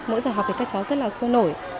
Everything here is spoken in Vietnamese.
mỗi giờ học thì các cháu rất là sôi nổi